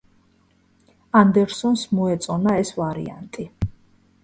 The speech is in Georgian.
ანდერსონს მოეწონა ეს ვარიანტი.